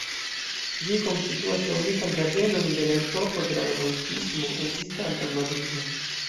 Ĝi konstituas la unikan ĝardenon de la epoko de la Romantismo ekzistanta en Madrido.